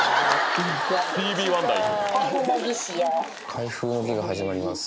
開封の儀が始まります。